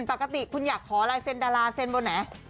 ปกติคุณอยากขอลายเซ็นดาราเซ็นบนไหน